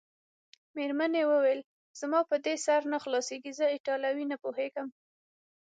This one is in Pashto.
مېرمنې وویل: زما په دې سر نه خلاصیږي، زه ایټالوي نه پوهېږم.